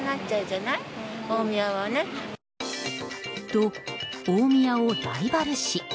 と、大宮をライバル視。